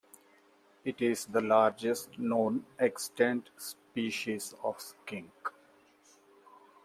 It is the largest known extant species of skink.